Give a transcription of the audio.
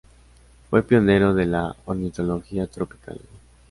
Fue pionero de la ornitología tropical.